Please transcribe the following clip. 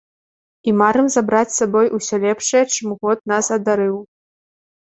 І марым забраць з сабой усё лепшае, чым год нас адарыў.